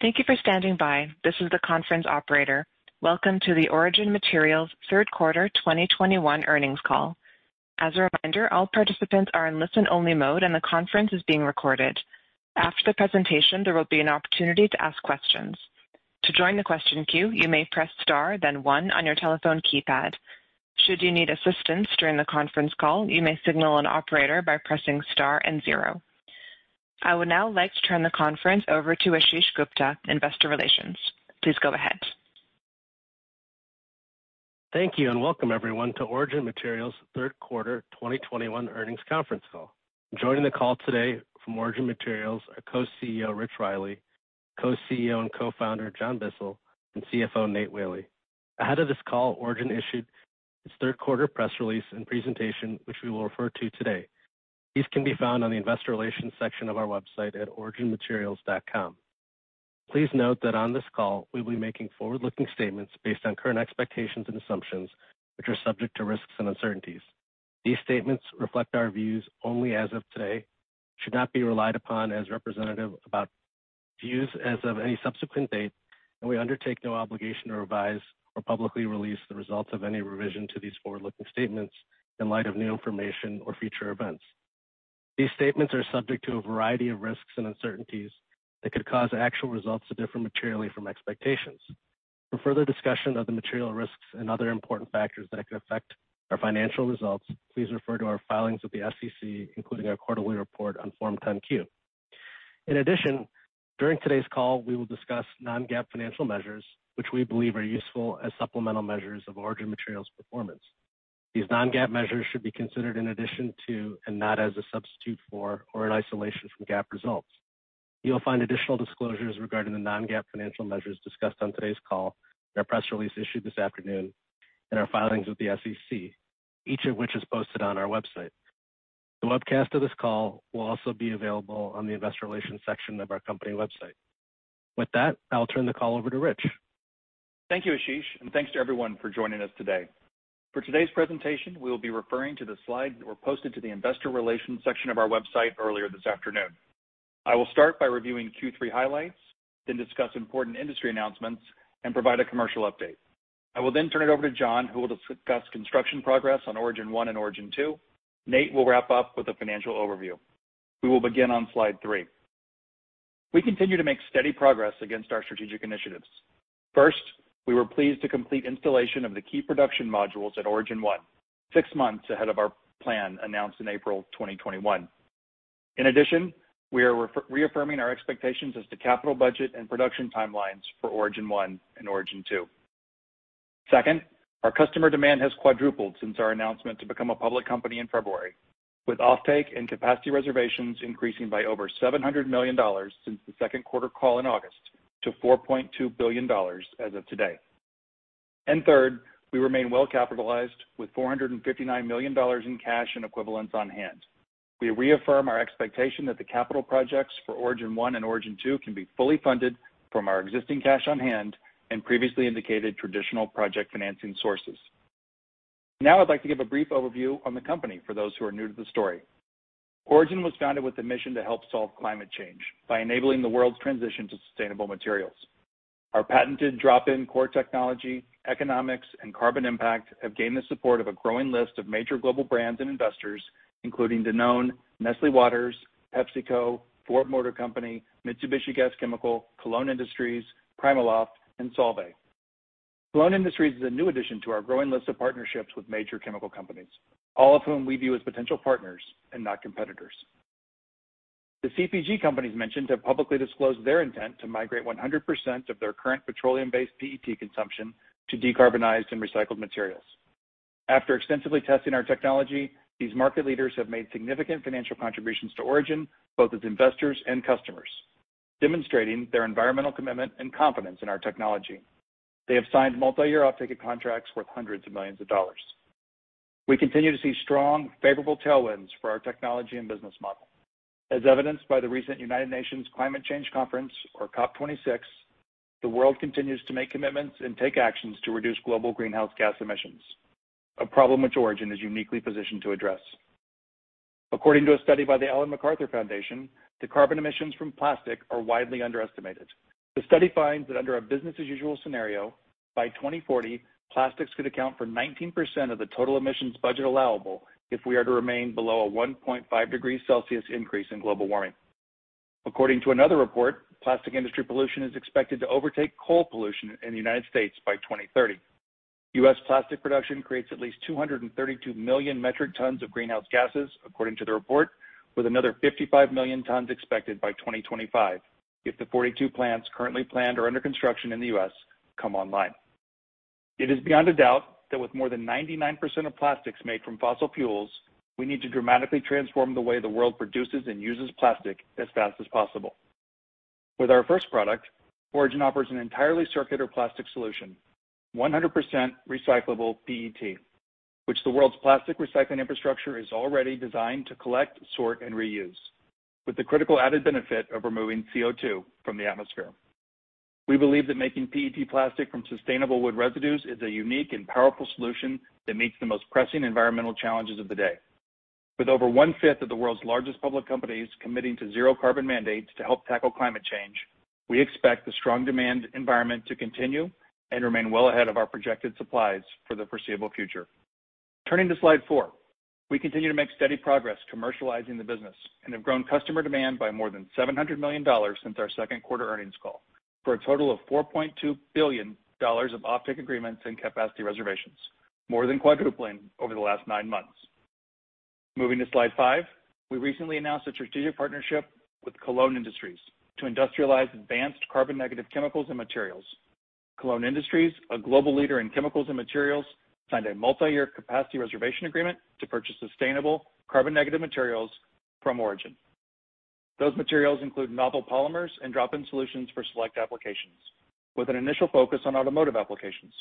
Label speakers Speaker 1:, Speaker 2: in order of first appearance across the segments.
Speaker 1: Thank you for standing by. This is the conference operator. Welcome to the Origin Materials Third Quarter 2021 earnings call. As a reminder, all participants are in listen-only mode, and the conference is being recorded. After the presentation, there will be an opportunity to ask questions. To join the question queue, you may press star, then one on your telephone keypad. Should you need assistance during the conference call, you may signal an operator by pressing star and zero. I would now like to turn the conference over to Ashish Gupta, Investor Relations. Please go ahead.
Speaker 2: Thank you and welcome everyone to Origin Materials Third Quarter 2021 earnings conference call. Joining the call today from Origin Materials are Co-CEO, Rich Riley, Co-CEO and Co-founder, John Bissell, and CFO, Nate Whaley. Ahead of this call, Origin issued its third quarter press release and presentation, which we will refer to today. These can be found on the investor relations section of our website at originmaterials.com. Please note that on this call, we'll be making forward-looking statements based on current expectations and assumptions, which are subject to risks and uncertainties. These statements reflect our views only as of today, should not be relied upon as representative about views as of any subsequent date, and we undertake no obligation to revise or publicly release the results of any revision to these forward-looking statements in light of new information or future events. These statements are subject to a variety of risks and uncertainties that could cause actual results to differ materially from expectations. For further discussion of the material risks and other important factors that could affect our financial results, please refer to our filings with the SEC, including our quarterly report on Form 10-Q. In addition, during today's call, we will discuss non-GAAP financial measures, which we believe are useful as supplemental measures of Origin Materials' performance. These non-GAAP measures should be considered in addition to and not as a substitute for or in isolation from GAAP results. You'll find additional disclosures regarding the non-GAAP financial measures discussed on today's call in our press release issued this afternoon and our filings with the SEC, each of which is posted on our website. The webcast of this call will also be available on the investor relations section of our company website. With that, I'll turn the call over to Rich.
Speaker 3: Thank you, Ashish, and thanks to everyone for joining us today. For today's presentation, we will be referring to the slides that were posted to the investor relations section of our website earlier this afternoon. I will start by reviewing Q3 highlights, then discuss important industry announcements and provide a commercial update. I will then turn it over to John, who will discuss construction progress on Origin One and Origin Two. Nate will wrap up with a financial overview. We will begin on slide three. We continue to make steady progress against our strategic initiatives. First, we were pleased to complete installation of the key production modules at Origin One, six months ahead of our plan announced in April 2021. In addition, we are reaffirming our expectations as to capital budget and production timelines for Origin One and Origin Two. Second, our customer demand has quadrupled since our announcement to become a public company in February, with offtake and capacity reservations increasing by over $700 million since the second quarter call in August to $4.2 billion as of today. Third, we remain well-capitalized with $459 million in cash and equivalents on hand. We reaffirm our expectation that the capital projects for Origin One and Origin Two can be fully funded from our existing cash on hand and previously indicated traditional project financing sources. Now I'd like to give a brief overview on the company for those who are new to the story. Origin was founded with a mission to help solve climate change by enabling the world's transition to sustainable materials. Our patented drop-in core technology, economics, and carbon impact have gained the support of a growing list of major global brands and investors, including Danone, Nestlé Waters, PepsiCo, Ford Motor Company, Mitsubishi Gas Chemical, Kolon Industries, PrimaLoft, and Solvay. Kolon Industries is a new addition to our growing list of partnerships with major chemical companies, all of whom we view as potential partners and not competitors. The CPG companies mentioned have publicly disclosed their intent to migrate 100% of their current petroleum-based PET consumption to decarbonized and recycled materials. After extensively testing our technology, these market leaders have made significant financial contributions to Origin, both as investors and customers, demonstrating their environmental commitment and confidence in our technology. They have signed multi-year offtake contracts worth hundreds of millions of dollars. We continue to see strong, favorable tailwinds for our technology and business model. As evidenced by the recent United Nations Climate Change Conference or COP26, the world continues to make commitments and take actions to reduce global greenhouse gas emissions, a problem which Origin is uniquely positioned to address. According to a study by the Ellen MacArthur Foundation, the carbon emissions from plastic are widely underestimated. The study finds that under a business as usual scenario, by 2040, plastics could account for 19% of the total emissions budget allowable if we are to remain below a 1.5 degrees Celsius increase in global warming. According to another report, plastic industry pollution is expected to overtake coal pollution in the United States by 2030. U.S. plastic production creates at least 232 million metric tons of greenhouse gases, according to the report, with another 55 million tons expected by 2025 if the 42 plants currently planned or under construction in the U.S. come online. It is beyond a doubt that with more than 99% of plastics made from fossil fuels, we need to dramatically transform the way the world produces and uses plastic as fast as possible. With our first product, Origin offers an entirely circular plastic solution, 100% recyclable PET, which the world's plastic recycling infrastructure is already designed to collect, sort, and reuse, with the critical added benefit of removing CO2 from the atmosphere. We believe that making PET plastic from sustainable wood residues is a unique and powerful solution that meets the most pressing environmental challenges of the day. With over one-fifth of the world's largest public companies committing to zero carbon mandates to help tackle climate change, we expect the strong demand environment to continue and remain well ahead of our projected supplies for the foreseeable future. Turning to slide four. We continue to make steady progress commercializing the business and have grown customer demand by more than $700 million since our second quarter earnings call, for a total of $4.2 billion of offtake agreements and capacity reservations, more than quadrupling over the last nine months. Moving to slide five. We recently announced a strategic partnership with Kolon Industries to industrialize advanced carbon-negative chemicals and materials. Kolon Industries, a global leader in chemicals and materials, signed a multi-year capacity reservation agreement to purchase sustainable carbon-negative materials from Origin. Those materials include novel polymers and drop-in solutions for select applications, with an initial focus on automotive applications.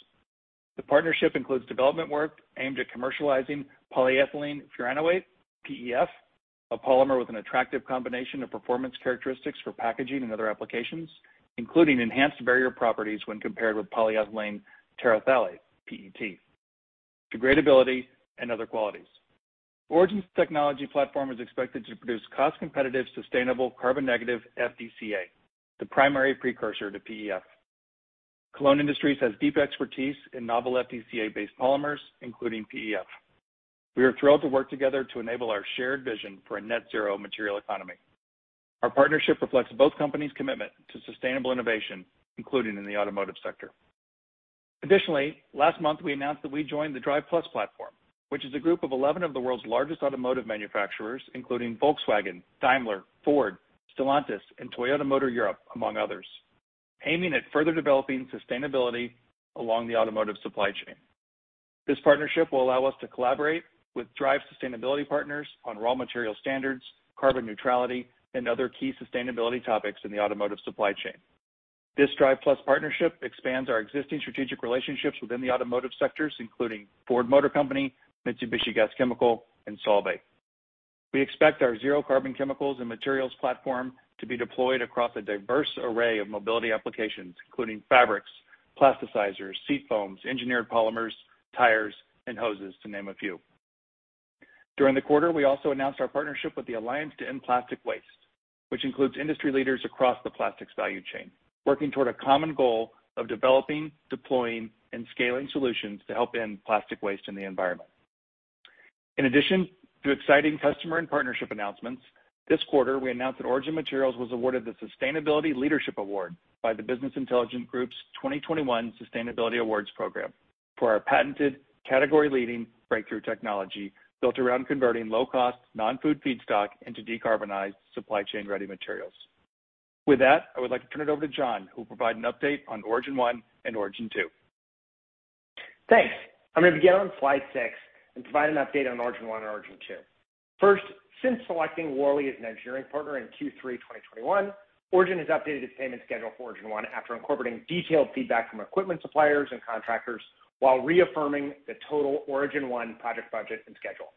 Speaker 3: The partnership includes development work aimed at commercializing polyethylene furanoate, PEF, a polymer with an attractive combination of performance characteristics for packaging and other applications, including enhanced barrier properties when compared with polyethylene terephthalate, PET, degradability and other qualities. Origin's technology platform is expected to produce cost-competitive, sustainable carbon-negative FDCA, the primary precursor to PEF. Kolon Industries has deep expertise in novel FDCA-based polymers, including PEF. We are thrilled to work together to enable our shared vision for a net-zero material economy. Our partnership reflects both companies' commitment to sustainable innovation, including in the automotive sector. Additionally, last month we announced that we joined the Drive+ platform, which is a group of 11 of the world's largest automotive manufacturers, including Volkswagen, Daimler, Ford, Stellantis and Toyota Motor Europe, among others, aiming at further developing sustainability along the automotive supply chain. This partnership will allow us to collaborate with Drive Sustainability partners on raw material standards, carbon neutrality and other key sustainability topics in the automotive supply chain. This Drive+ partnership expands our existing strategic relationships within the automotive sectors, including Ford Motor Company, Mitsubishi Gas Chemical and Solvay. We expect our zero carbon chemicals and materials platform to be deployed across a diverse array of mobility applications, including fabrics, plasticizers, seat foams, engineered polymers, tires and hoses, to name a few. During the quarter, we also announced our partnership with the Alliance to End Plastic Waste, which includes industry leaders across the plastics value chain working toward a common goal of developing, deploying, and scaling solutions to help end plastic waste in the environment. In addition to exciting customer and partnership announcements, this quarter we announced that Origin Materials was awarded the Sustainability Leadership Award by the Business Intelligence Group's 2021 Sustainability Awards program for our patented category-leading breakthrough technology built around converting low cost, non-food feedstock into decarbonized supply chain-ready materials. With that, I would like to turn it over to John, who will provide an update on Origin One and Origin Two.
Speaker 4: Thanks. I'm going to begin on slide six and provide an update on Origin One and Origin Two. First, since selecting Worley as an engineering partner in Q3 2021, Origin has updated its payment schedule for Origin One after incorporating detailed feedback from equipment suppliers and contractors while reaffirming the total Origin One project budget and schedule.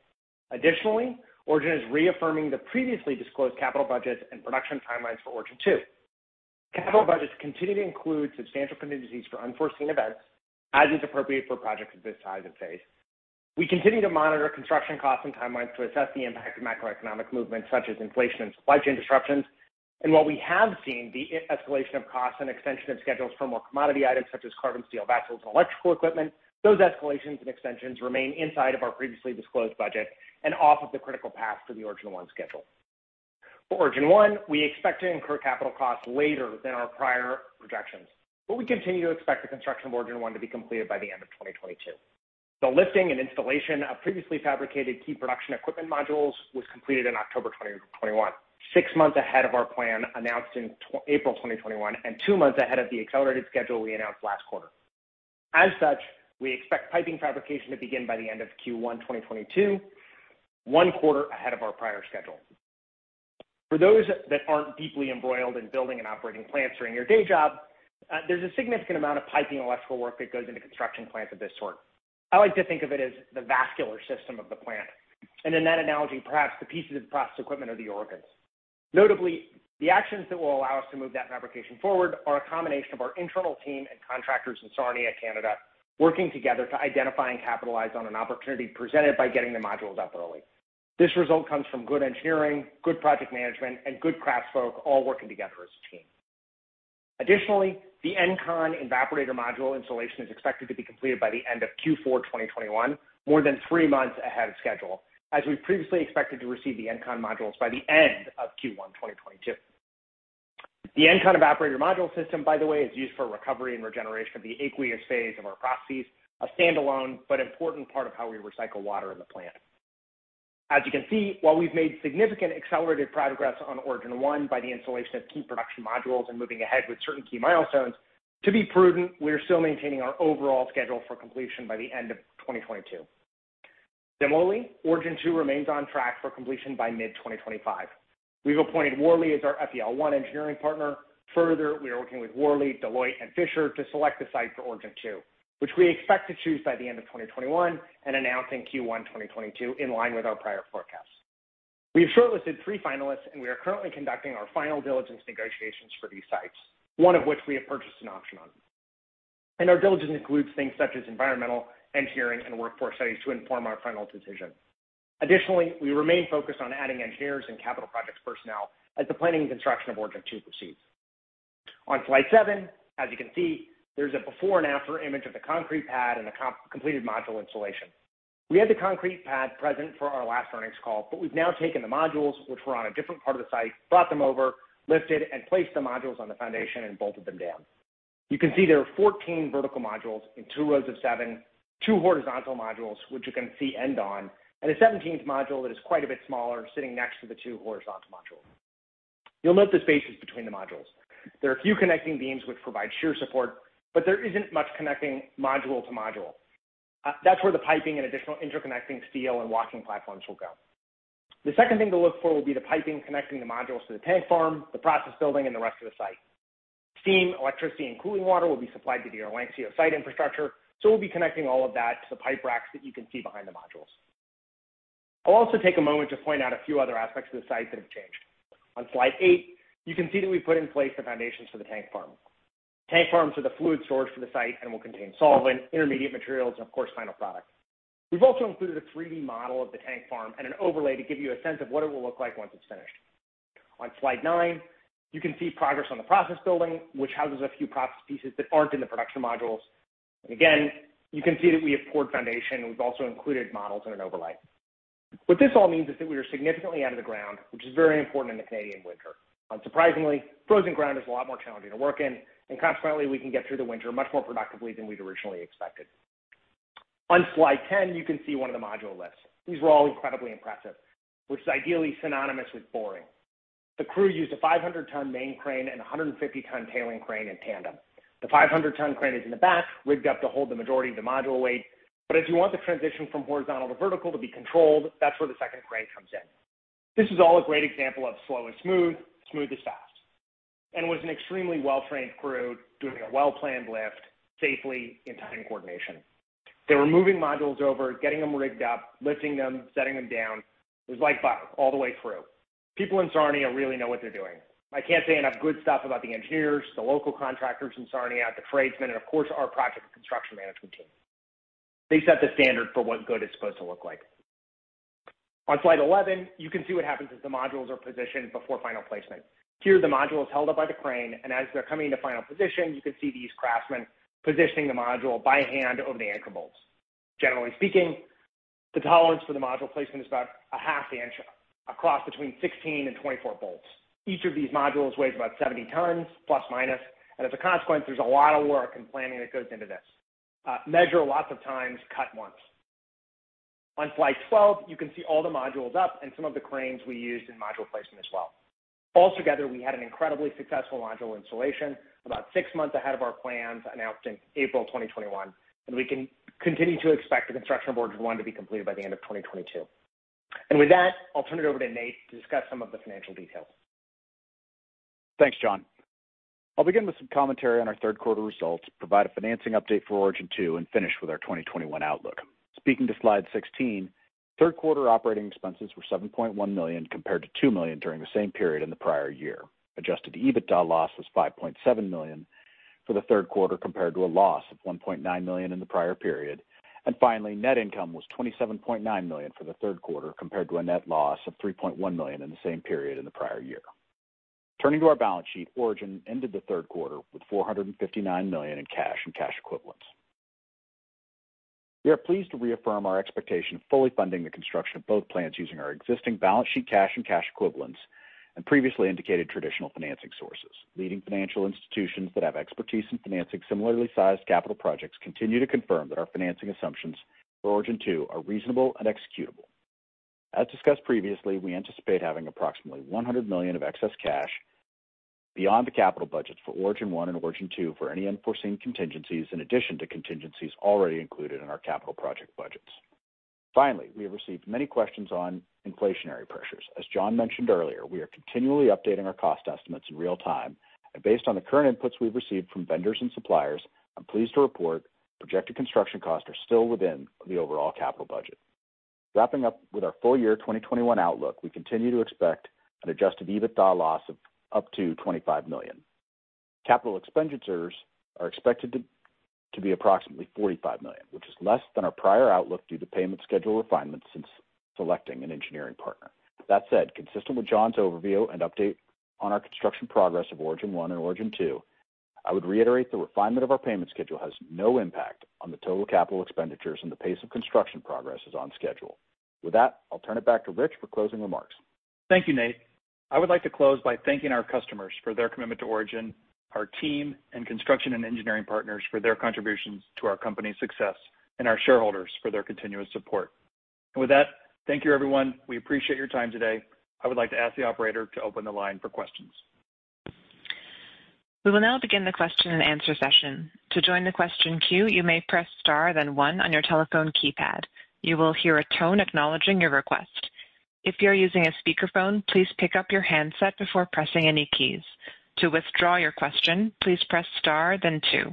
Speaker 4: Additionally, Origin is reaffirming the previously disclosed capital budgets and production timelines for Origin Two. Capital budgets continue to include substantial contingencies for unforeseen events, as is appropriate for projects of this size and phase. We continue to monitor construction costs and timelines to assess the impact of macroeconomic movements such as inflation and supply chain disruptions. While we have seen the escalation of costs and extension of schedules for more commodity items such as carbon steel vessels and electrical equipment, those escalations and extensions remain inside of our previously disclosed budget and off of the critical path to the Origin One schedule. For Origin One, we expect to incur capital costs later than our prior projections, but we continue to expect the construction of Origin One to be completed by the end of 2022. The lifting and installation of previously fabricated key production equipment modules was completed in October 2021, six months ahead of our plan announced in April 2021 and two months ahead of the accelerated schedule we announced last quarter. As such, we expect piping fabrication to begin by the end of Q1 2022, quarter ahead of our prior schedule. For those that aren't deeply embroiled in building and operating plants during your day job, there's a significant amount of piping and electrical work that goes into constructing plants of this sort. I like to think of it as the vascular system of the plant, and in that analogy, perhaps the pieces of process equipment are the organs. Notably, the actions that will allow us to move that fabrication forward are a combination of our internal team and contractors in Sarnia, Canada, working together to identify and capitalize on an opportunity presented by getting the modules up early. This result comes from good engineering, good project management and good craftspeople all working together as a team. Additionally, the ENCON evaporator module installation is expected to be completed by the end of Q4 2021, more than three months ahead of schedule, as we previously expected to receive the ENCON modules by the end of Q1 2022. The ENCON evaporator module system, by the way, is used for recovery and regeneration of the aqueous phase of our processes, a standalone but important part of how we recycle water in the plant. As you can see, while we've made significant accelerated progress on Origin One by the installation of key production modules and moving ahead with certain key milestones, to be prudent, we are still maintaining our overall schedule for completion by the end of 2022. Similarly, Origin Two remains on track for completion by mid-2025. We've appointed Worley as our FEL1 engineering partner. Further, we are working with Worley, Deloitte and Fisher to select the site for Origin Two, which we expect to choose by the end of 2021 and announce in Q1 2022 in line with our prior forecast. We have shortlisted three finalists, and we are currently conducting our final diligence negotiations for these sites, one of which we have purchased an option on. Our diligence includes things such as environmental, engineering, and workforce studies to inform our final decision. Additionally, we remain focused on adding engineers and capital projects personnel as the planning and construction of Origin Two proceeds. On slide seven, as you can see, there's a before and after image of the concrete pad and the completed module installation. We had the concrete pad present for our last earnings call, but we've now taken the modules, which were on a different part of the site, brought them over, lifted and placed the modules on the foundation and bolted them down. You can see there are 14 vertical modules in two rows of seven, two horizontal modules, which you can see end on, and a 17th module that is quite a bit smaller, sitting next to the two horizontal modules. You'll note the spaces between the modules. There are a few connecting beams which provide shear support, but there isn't much connecting module to module. That's where the piping and additional interconnecting steel and walking platforms will go. The second thing to look for will be the piping connecting the modules to the tank farm, the process building and the rest of the site. Steam, electricity, and cooling water will be supplied through the Ontario site infrastructure, so we'll be connecting all of that to the pipe racks that you can see behind the modules. I'll also take a moment to point out a few other aspects of the site that have changed. On slide eight, you can see that we put in place the foundations for the tank farm. Tank farms are the fluid source for the site and will contain solvent, intermediate materials, and of course, final product. We've also included a 3-D model of the tank farm and an overlay to give you a sense of what it will look like once it's finished. On slide nine, you can see progress on the process building, which houses a few process pieces that aren't in the production modules. Again, you can see that we have poured foundation, and we've also included models in an overlay. What this all means is that we are significantly out of the ground, which is very important in the Canadian winter. Unsurprisingly, frozen ground is a lot more challenging to work in, and consequently, we can get through the winter much more productively than we'd originally expected. On slide 10, you can see one of the module lifts. These were all incredibly impressive, which is ideally synonymous with boring. The crew used a 500 ton main crane and a 150 ton tailing crane in tandem. The 500 ton crane is in the back, rigged up to hold the majority of the module weight. If you want the transition from horizontal to vertical to be controlled, that's where the second crane comes in. This is all a great example of slow is smooth is fast, and it was an extremely well-trained crew doing a well-planned lift safely in time coordination. They were moving modules over, getting them rigged up, lifting them, setting them down. It was like butter all the way through. People in Sarnia really know what they're doing. I can't say enough good stuff about the engineers, the local contractors in Sarnia, the tradesmen, and of course, our project and construction management team. They set the standard for what good is supposed to look like. On slide 11, you can see what happens as the modules are positioned before final placement. Here, the module is held up by the crane, and as they're coming into final position, you can see these craftsmen positioning the module by hand over the anchor bolts. Generally speaking, the tolerance for the module placement is about a half inch across between 16 and 24 bolts. Each of these modules weighs about 70 tons ± and as a consequence, there's a lot of work and planning that goes into this. Measure lots of times, cut once. On slide 12, you can see all the modules up and some of the cranes we used in module placement as well. All together, we had an incredibly successful module installation about six months ahead of our plans announced in April 2021, and we can continue to expect the construction of Origin One to be completed by the end of 2022. With that, I'll turn it over to Nate to discuss some of the financial details.
Speaker 5: Thanks, John. I'll begin with some commentary on our third quarter results, provide a financing update for Origin Two, and finish with our 2021 outlook. Speaking to slide 16, third quarter operating expenses were $7.1 million compared to $2 million during the same period in the prior year. Adjusted EBITDA loss was $5.7 million for the third quarter, compared to a loss of $1.9 million in the prior period. Finally, net income was $27.9 million for the third quarter, compared to a net loss of $3.1 million in the same period in the prior year. Turning to our balance sheet, Origin ended the third quarter with $459 million in cash and cash equivalents. We are pleased to reaffirm our expectation of fully funding the construction of both plants using our existing balance sheet cash and cash equivalents and previously indicated traditional financing sources. Leading financial institutions that have expertise in financing similarly sized capital projects continue to confirm that our financing assumptions for Origin Two are reasonable and executable. As discussed previously, we anticipate having approximately $100 million of excess cash beyond the capital budget for Origin One and Origin Two for any unforeseen contingencies in addition to contingencies already included in our capital project budgets. Finally, we have received many questions on inflationary pressures. As John mentioned earlier, we are continually updating our cost estimates in real time. Based on the current inputs we've received from vendors and suppliers, I'm pleased to report projected construction costs are still within the overall capital budget. Wrapping up with our full year 2021 outlook, we continue to expect an adjusted EBITDA loss of up to $25 million. Capital expenditures are expected to be approximately $45 million, which is less than our prior outlook due to payment schedule refinements since selecting an engineering partner. That said, consistent with John's overview and update on our construction progress of Origin One and Origin Two, I would reiterate the refinement of our payment schedule has no impact on the total capital expenditures, and the pace of construction progress is on schedule. With that, I'll turn it back to Rich for closing remarks.
Speaker 3: Thank you, Nate. I would like to close by thanking our customers for their commitment to Origin, our team and construction and engineering partners for their contributions to our company's success and our shareholders for their continuous support. With that, thank you, everyone. We appreciate your time today. I would like to ask the operator to open the line for questions.
Speaker 1: We will now begin the question and answer session. To join the question queue, you may press star then one on your telephone keypad. You will hear a tone acknowledging your request. If you are using a speakerphone, please pick up your handset before pressing any keys. To withdraw your question, please press star then two.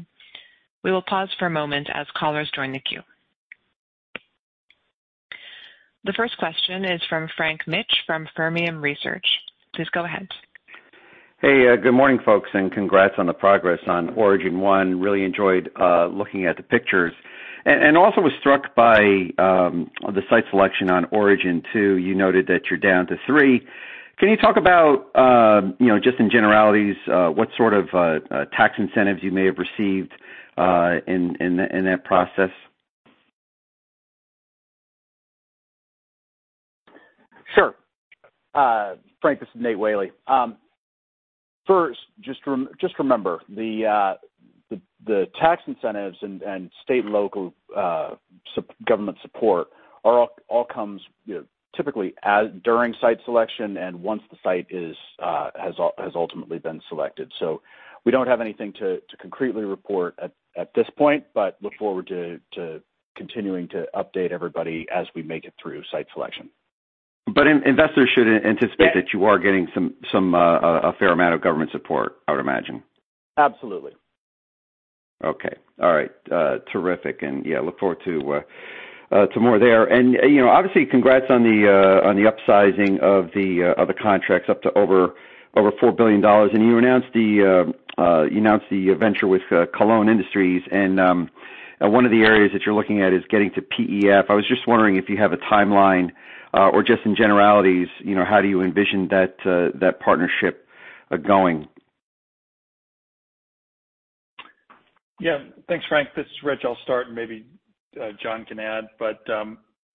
Speaker 1: We will pause for a moment as callers join the queue. The first question is from Frank Mitsch from Fermium Research. Please go ahead.
Speaker 6: Hey, good morning, folks, and congrats on the progress on Origin One. Really enjoyed looking at the pictures. I also was struck by the site selection on Origin Two. You noted that you're down to three. Can you talk about, you know, just in generalities, what sort of tax incentives you may have received in that process?
Speaker 5: Sure. Frank, this is Nate Whaley. First, just remember the tax incentives and state and local government support are all comes, you know, typically during site selection and once the site has ultimately been selected. We don't have anything to concretely report at this point, but look forward to continuing to update everybody as we make it through site selection.
Speaker 6: Investors should anticipate that you are getting a fair amount of government support, I would imagine.
Speaker 5: Absolutely.
Speaker 6: Okay. All right. Terrific. Yeah, look forward to more there. You know, obviously congrats on the upsizing of the contracts up to over $4 billion. You announced the venture with Kolon Industries, and one of the areas that you're looking at is getting to PEF. I was just wondering if you have a timeline or just in generalities, you know, how do you envision that partnership going?
Speaker 3: Yeah. Thanks, Frank. This is Rich. I'll start, and maybe John can add.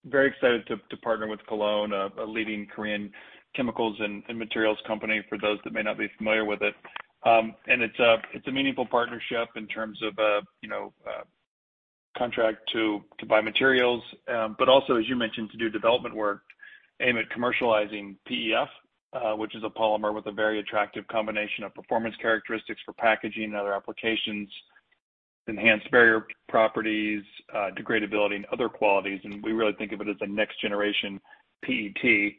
Speaker 3: Very excited to partner with Kolon, a leading Korean chemicals and materials company for those that may not be familiar with it. It's a meaningful partnership in terms of, you know, contract to buy materials, but also, as you mentioned, to do development work aimed at commercializing PEF, which is a polymer with a very attractive combination of performance characteristics for packaging and other applications, enhanced barrier properties, degradability and other qualities. We really think of it as a next generation PET.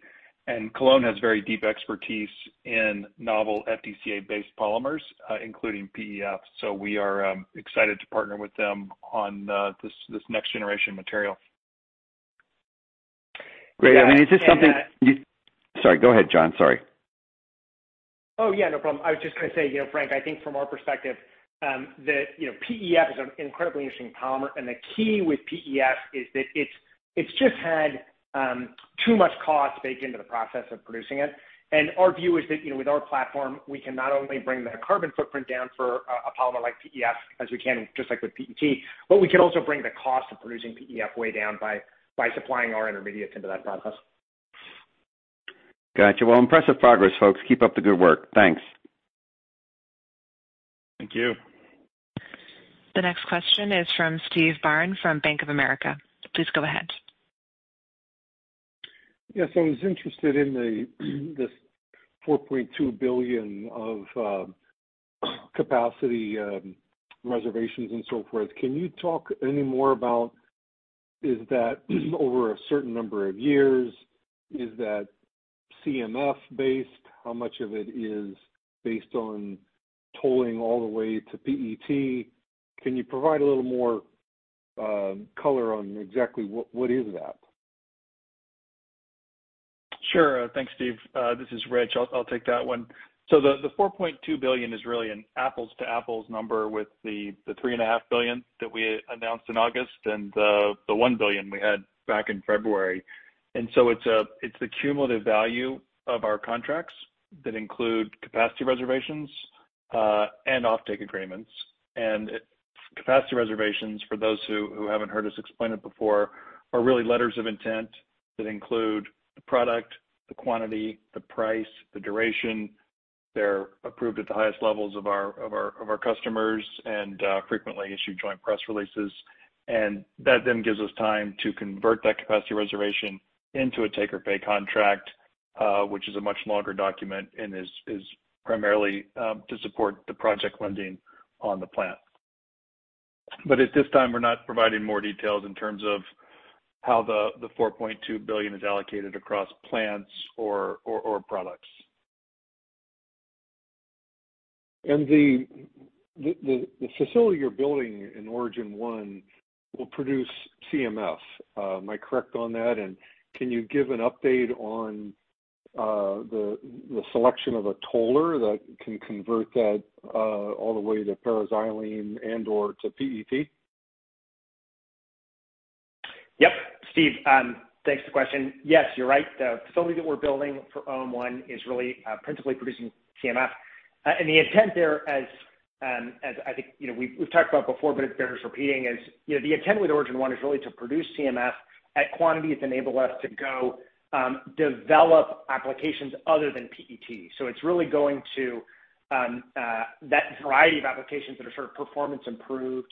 Speaker 3: Kolon has very deep expertise in novel FDCA-based polymers, including PEF. We are excited to partner with them on this next generation material.
Speaker 6: Great. I mean, is this something?
Speaker 4: And, uh-
Speaker 6: Sorry, go ahead, John. Sorry.
Speaker 4: Oh, yeah, no problem. I was just gonna say, you know, Frank, I think from our perspective, that, you know, PEF is an incredibly interesting polymer, and the key with PEF is that it's just had too much cost baked into the process of producing it. Our view is that, you know, with our platform, we can not only bring the carbon footprint down for a polymer like PEF as we can just like with PET, but we can also bring the cost of producing PEF way down by supplying our intermediate into that process.
Speaker 6: Got you. Well, impressive progress, folks. Keep up the good work. Thanks.
Speaker 3: Thank you.
Speaker 1: The next question is from Steve Byrne from Bank of America. Please go ahead.
Speaker 7: Yes, I was interested in this $4.2 billion of capacity reservations and so forth. Can you talk any more about is that over a certain number of years? Is that CMF based? How much of it is based on tolling all the way to PET? Can you provide a little more color on exactly what is that?
Speaker 3: Sure. Thanks, Steve. This is Rich. I'll take that one. The $4.2 billion is really an apples to apples number with the $3.5 billion that we announced in August and the $1 billion we had back in February. It's the cumulative value of our contracts that include capacity reservations and offtake agreements. Capacity reservations, for those who haven't heard us explain it before, are really letters of intent that include the product, the quantity, the price, the duration. They're approved at the highest levels of our customers and frequently issue joint press releases. That then gives us time to convert that capacity reservation into a take or pay contract, which is a much longer document and is primarily to support the project lending on the plant. At this time, we're not providing more details in terms of how the $4.2 billion is allocated across plants or products.
Speaker 7: The facility you're building in Origin One will produce CMF. Am I correct on that? Can you give an update on the selection of a toller that can convert that all the way to para-xylene and/or to PET?
Speaker 4: Yep. Steve, thanks for the question. Yes, you're right. The facility that we're building for Origin One is really principally producing CMF. And the intent there as I think, you know, we've talked about before, but it bears repeating, is, you know, the intent with Origin One is really to produce CMF at quantities enable us to go develop applications other than PET. So it's really going to that variety of applications that are sort of performance improved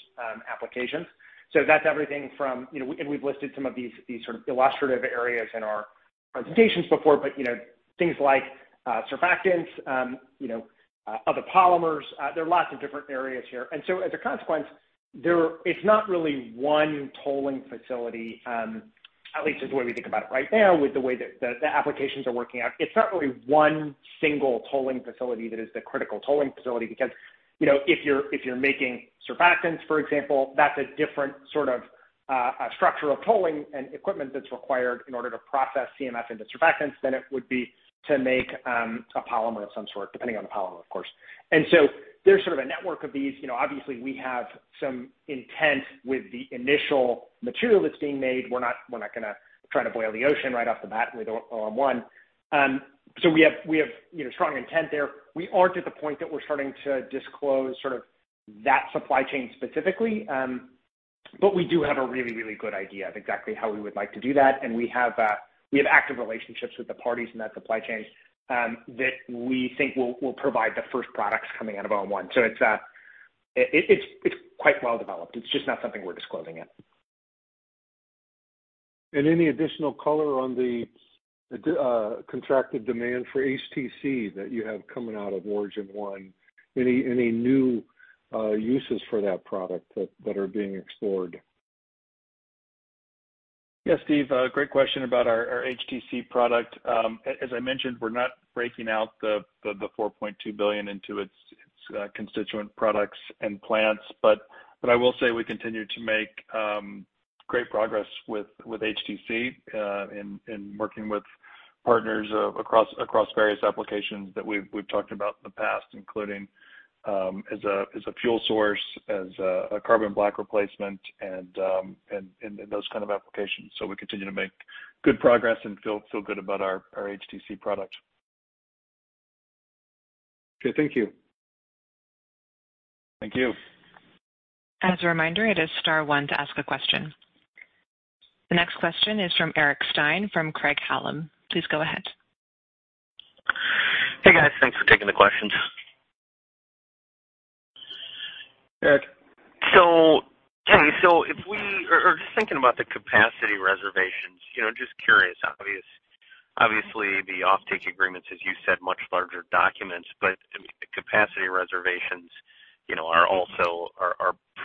Speaker 4: applications. So that's everything from, you know, and we've listed some of these these sort of illustrative areas in our presentations before, but, you know, things like surfactants, you know other polymers. There are lots of different areas here. As a consequence, there it's not really one tolling facility. At least the way we think about it right now with the way that the applications are working out. It's not really one single tolling facility that is the critical tolling facility because, you know, if you're making surfactants, for example, that's a different sort of structure of tolling and equipment that's required in order to process CMF into surfactants than it would be to make a polymer of some sort, depending on the polymer, of course. There's sort of a network of these. You know, obviously, we have some intent with the initial material that's being made. We're not gonna try to boil the ocean right off the bat with Origin One. So we have strong intent there. We aren't at the point that we're starting to disclose sort of that supply chain specifically, but we do have a really, really good idea of exactly how we would like to do that. We have active relationships with the parties in that supply chain that we think will provide the first products coming out of Origin One. It's quite well developed. It's just not something we're disclosing yet.
Speaker 7: Any additional color on the contracted demand for HTC that you have coming out of Origin One? Any new uses for that product that are being explored?
Speaker 3: Yes, Steve, a great question about our HTC product. As I mentioned, we're not breaking out the $4.2 billion into its constituent products and plants. I will say we continue to make great progress with HTC in working with partners across various applications that we've talked about in the past, including as a fuel source, as a carbon black replacement and in those kind of applications. We continue to make good progress and feel good about our HTC product.
Speaker 7: Okay. Thank you.
Speaker 3: Thank you.
Speaker 1: As a reminder, it is star one to ask a question. The next question is from Eric Stine from Craig-Hallum. Please go ahead.
Speaker 8: Hey, guys. Thanks for taking the questions.
Speaker 3: Eric.
Speaker 8: Just thinking about the capacity reservations, you know, just curious. Obviously, the offtake agreements, as you said, much larger documents, but, the capacity reservations, you know, are also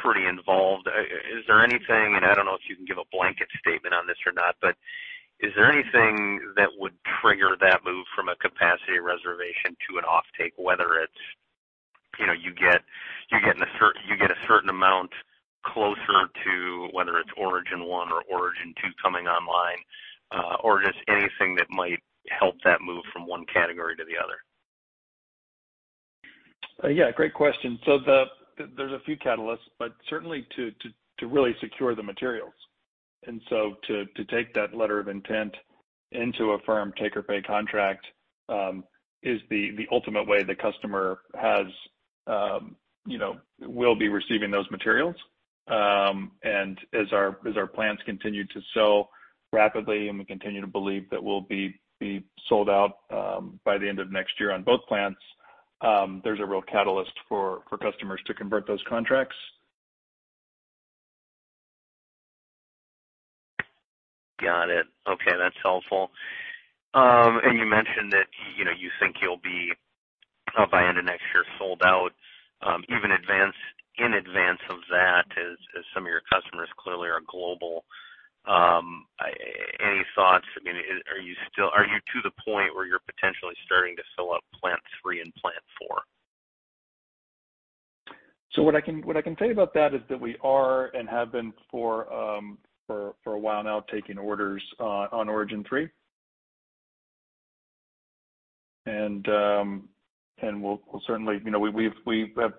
Speaker 8: pretty involved. Is there anything, and I don't know if you can give a blanket statement on this or not, but is there anything that would trigger that move from a capacity reservation to an offtake, whether it's, you know, you get a certain amount closer to whether it's Origin One or Origin Two coming online, or just anything that might help that move from one category to the other?
Speaker 3: Yeah, great question. There's a few catalysts, but certainly to really secure the materials. To take that letter of intent into a firm take or pay contract is the ultimate way the customer has, you know, will be receiving those materials. As our plants continue to sell rapidly, and we continue to believe that we'll be sold out by the end of next year on both plants, there's a real catalyst for customers to convert those contracts.
Speaker 8: Got it. Okay, that's helpful. You mentioned that, you know, you think you'll be, by end of next year, sold out, even in advance of that as some of your customers clearly are global. Any thoughts? I mean, are you to the point where you're potentially starting to fill up plant three and plant four?
Speaker 3: What I can tell you about that is that we are and have been for a while now taking orders on Origin Three. We will certainly. You know, we have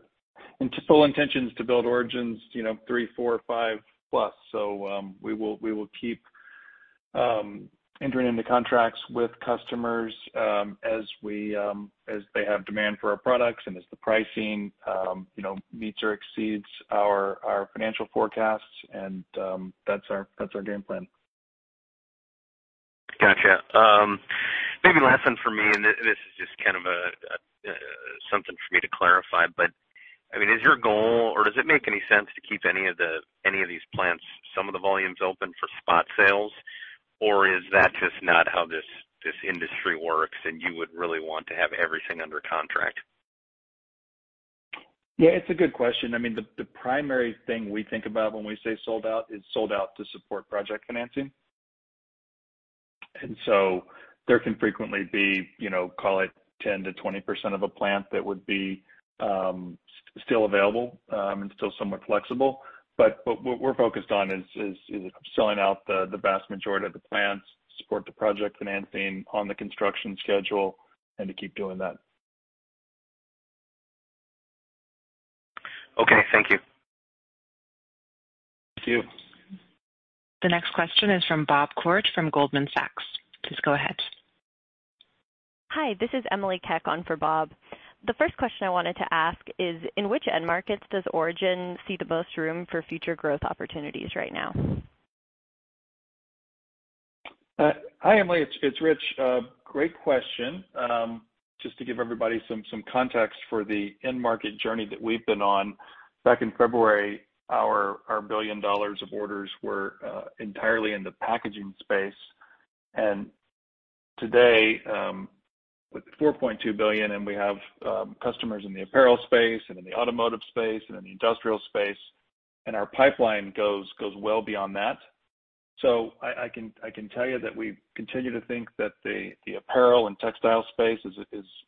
Speaker 3: full intentions to build Origin Three, Four, Five plus. We will keep entering into contracts with customers as they have demand for our products and as the pricing you know meets or exceeds our financial forecasts. That's our game plan.
Speaker 8: Gotcha. Maybe last one for me, and this is just kind of a something for me to clarify. I mean, is your goal or does it make any sense to keep any of these plants, some of the volumes open for spot sales, or is that just not how this industry works and you would really want to have everything under contract?
Speaker 3: Yeah, it's a good question. I mean, the primary thing we think about when we say sold out is sold out to support project financing. There can frequently be, you know, call it 10%-20% of a plant that would be still available and still somewhat flexible. What we're focused on is selling out the vast majority of the plants to support the project financing on the construction schedule and to keep doing that.
Speaker 8: Okay. Thank you.
Speaker 3: Thank you.
Speaker 1: The next question is from Bob Koort from Goldman Sachs. Please go ahead.
Speaker 9: Hi, this is Emily Chieng on for Bob. The first question I wanted to ask is, in which end markets does Origin see the most room for future growth opportunities right now?
Speaker 3: Hi, Emily. It's Rich. Great question. Just to give everybody some context for the end market journey that we've been on. Back in February, our $1 billion of orders were entirely in the packaging space. Today, with $4.2 billion and we have customers in the apparel space and in the automotive space and in the industrial space, and our pipeline goes well beyond that. I can tell you that we continue to think that the apparel and textile space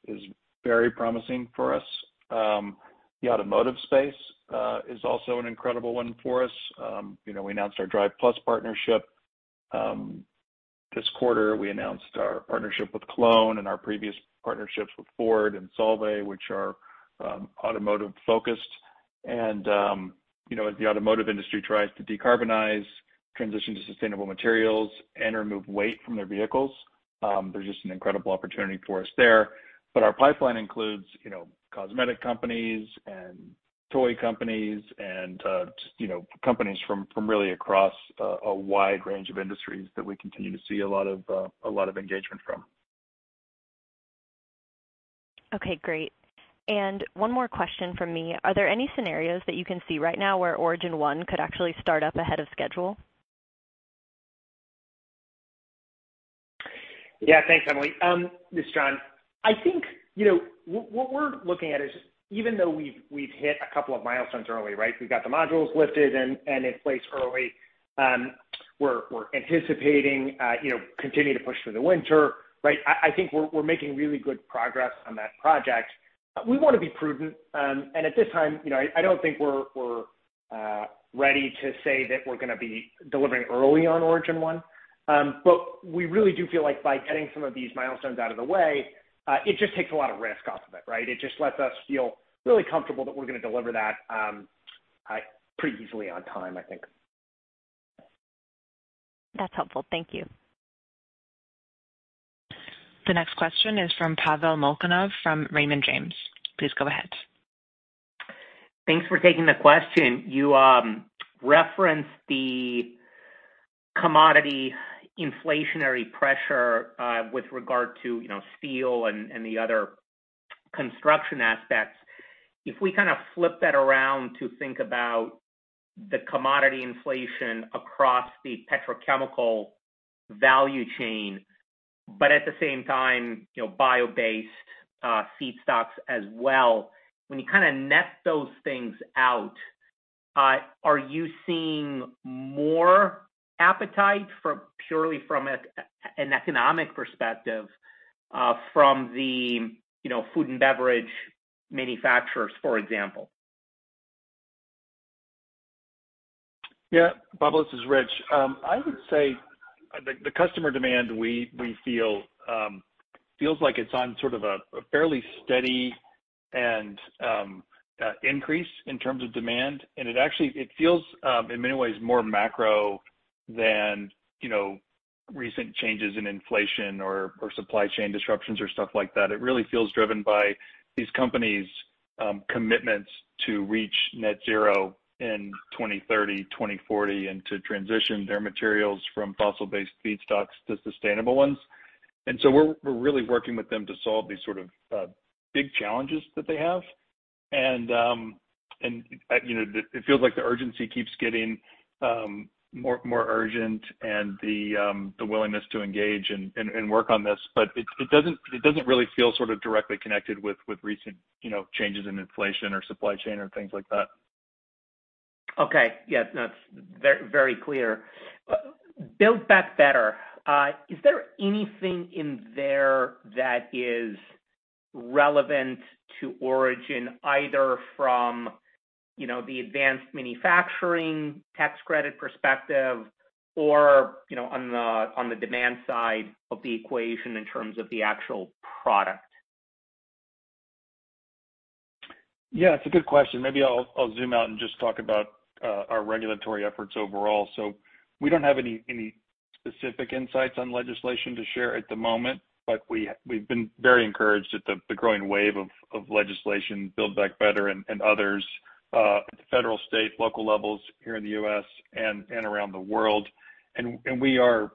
Speaker 3: is very promising for us. The automotive space is also an incredible one for us. You know, we announced our Drive+ partnership this quarter. We announced our partnership with Kolon and our previous partnerships with Ford and Solvay, which are automotive-focused. You know, as the automotive industry tries to decarbonize, transition to sustainable materials and remove weight from their vehicles, there's just an incredible opportunity for us there. Our pipeline includes, you know, cosmetic companies and toy companies and, you know, companies from really across a wide range of industries that we continue to see a lot of engagement from.
Speaker 9: Okay, great. One more question from me. Are there any scenarios that you can see right now where Origin One could actually start up ahead of schedule?
Speaker 4: Yeah. Thanks, Emily. This is John. I think, you know, what we're looking at is, even though we've hit a couple of milestones early, right? We've got the modules lifted and in place early. We're anticipating, you know, continue to push through the winter, right? I think we're making really good progress on that project. We wanna be prudent. At this time, you know, I don't think we're ready to say that we're gonna be delivering early on Origin One. We really do feel like by getting some of these milestones out of the way, it just takes a lot of risk off of it, right? It just lets us feel really comfortable that we're gonna deliver that, pretty easily on time, I think.
Speaker 9: That's helpful. Thank you.
Speaker 1: The next question is from Pavel Molchanov, from Raymond James. Please go ahead.
Speaker 10: Thanks for taking the question. You referenced the commodity inflationary pressure with regard to, you know, steel and the other construction aspects. If we kind of flip that around to think about the commodity inflation across the petrochemical value chain, but at the same time, you know, bio-based feedstocks as well. When you kinda net those things out, are you seeing more appetite purely from an economic perspective from the, you know, food and beverage manufacturers, for example?
Speaker 3: Yeah. Pavel, this is Rich. I would say the customer demand we feel feels like it's on sort of a fairly steady and increase in terms of demand. It actually it feels in many ways more macro than you know recent changes in inflation or supply chain disruptions or stuff like that. It really feels driven by these companies' commitments to reach net zero in 2030, 2040, and to transition their materials from fossil-based feedstocks to sustainable ones. We're really working with them to solve these sort of big challenges that they have. You know it feels like the urgency keeps getting more urgent and the willingness to engage and work on this. It doesn't really feel sort of directly connected with recent, you know, changes in inflation or supply chain or things like that.
Speaker 10: Okay. Yeah. No, it's very clear. Build Back Better, is there anything in there that is relevant to Origin, either from, you know, the advanced manufacturing tax credit perspective or, you know, on the, on the demand side of the equation in terms of the actual product?
Speaker 3: Yeah, it's a good question. Maybe I'll zoom out and just talk about our regulatory efforts overall. We don't have any specific insights on legislation to share at the moment, but we've been very encouraged at the growing wave of legislation, Build Back Better and others, at the federal, state, local levels here in the U.S. and around the world. We are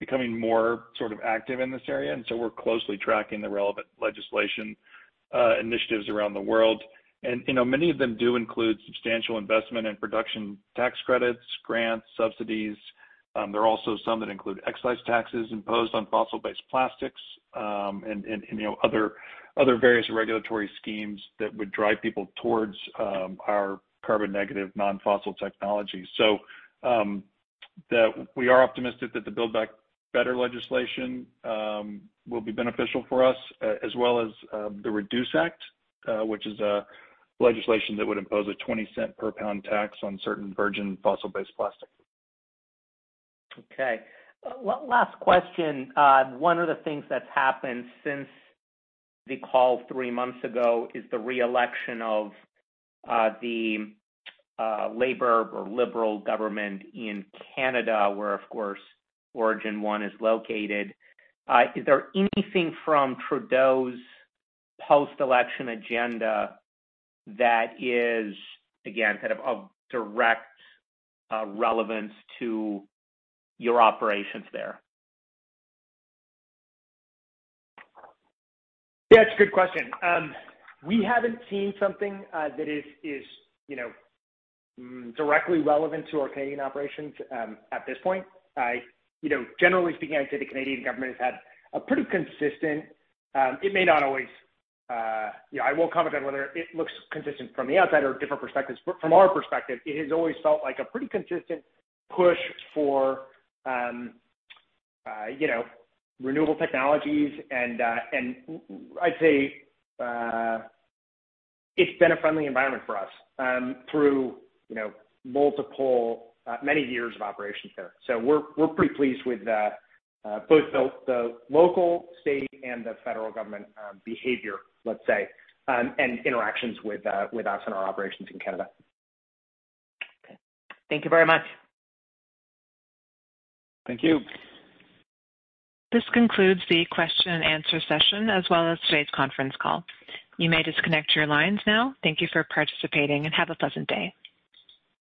Speaker 3: becoming more sort of active in this area, and so we're closely tracking the relevant legislation initiatives around the world. You know, many of them do include substantial investment in production tax credits, grants, subsidies. There are also some that include excise taxes imposed on fossil-based plastics, and you know, other various regulatory schemes that would drive people towards our carbon negative non-fossil technologies. We are optimistic that the Build Back Better legislation will be beneficial for us as well as the REDUCE Act, which is a legislation that would impose a $0.20 per pound tax on certain virgin fossil-based plastic.
Speaker 10: Okay. Last question. One of the things that's happened since the call three months ago is the reelection of the Liberal government in Canada, where, of course, Origin One is located. Is there anything from Trudeau's post-election agenda that is, again, kind of direct relevance to your operations there?
Speaker 4: Yeah, it's a good question. We haven't seen something that is, you know, directly relevant to our Canadian operations at this point. You know, generally speaking, I'd say the Canadian government has had a pretty consistent push for renewable technologies. I'd say it's been a friendly environment for us through many years of operations there. We're pretty pleased with both the local, state, and the federal government behavior, let's say, and interactions with us and our operations in Canada.
Speaker 10: Okay. Thank you very much.
Speaker 3: Thank you.
Speaker 1: This concludes the question and answer session, as well as today's conference call. You may disconnect your lines now. Thank you for participating, and have a pleasant day.